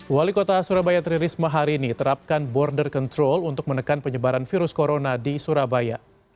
wali kota surabaya tri risma hari ini terapkan border control untuk menekan penyebaran virus corona di surabaya